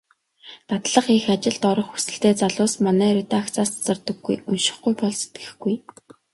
Дадлага хийх, ажилд орох хүсэлтэй залуус манай редакцаас тасардаггүй. УНШИХГҮЙ БОЛ СЭТГЭХГҮЙ.